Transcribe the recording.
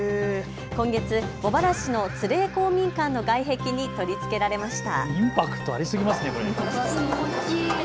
今月、茂原市の鶴枝公民館の外壁に取り付けられました。